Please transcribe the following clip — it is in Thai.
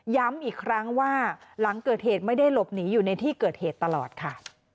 ย้ำอีกครั้งว่าหลังเกิดเหตุไม่ได้หลบหนีอยู่ในที่เกิดเหตุตลอดค่ะ